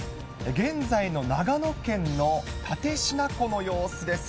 現在の長野県の蓼科湖の様子です。